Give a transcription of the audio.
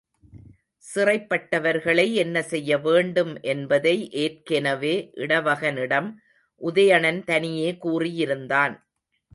சிறைப்பட்டவர்களை என்ன செய்ய வேண்டும் என்பதை ஏற்கெனவே இடவகனிடம் உதயணன் தனியே கூறியிருந்தான்.